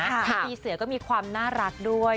ปีเสือก็มีความน่ารักด้วย